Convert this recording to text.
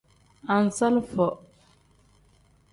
Anzalifo.